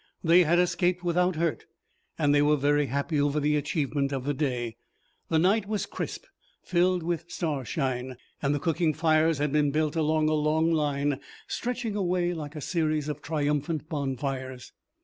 They had escaped without hurt, and they were very happy over the achievement of the day. The night was crisp, filled with starshine, and the cooking fires had been built along a long line, stretching away like a series of triumphant bonfires.